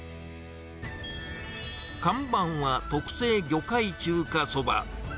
看板は特製魚介中華そば。